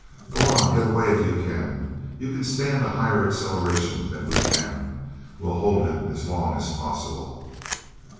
"Go on get away if you can. You can stand a higher acceleration than we can. We'll hold him as long as possible."